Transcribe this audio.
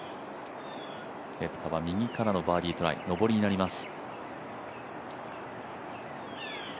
ケプカは右からのバーディートライ、上りになります。